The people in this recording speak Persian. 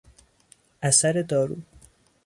اثر دارو